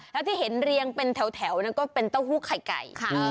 แล้วที่เห็นเรียงเป็นแถวนั้นก็เป็นเต้าหู้ไข่ไก่